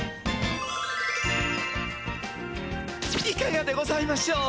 いかがでございましょう？